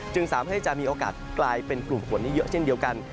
สามารถที่จะมีโอกาสกลายเป็นกลุ่มฝนได้เยอะเช่นเดียวกัน